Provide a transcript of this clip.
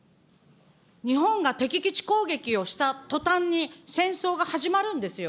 日本が敵基地攻撃をしたとたんに、戦争がはじまるんですよ。